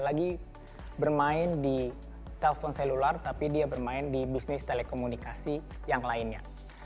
lagi bermain di telpon seluler tapi dia bermain di bisnis telekomunikasi yang lainnya